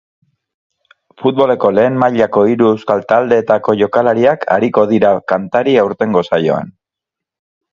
Futboleko lehen mailako hiru euskal taldeetako jokalariak ariko dira kantari aurtengo saioan.